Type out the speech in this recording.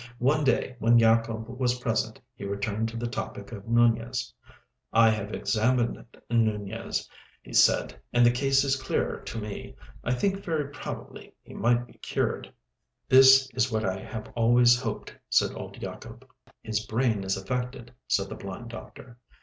One day when Yacob was present he returned to the topic of Nunez. "I have examined Nunez," he said, "and the case is clearer to me. I think very probably he might be cured." "This is what I have always hoped," said old Yacob. "His brain is affected," said the blind doctor.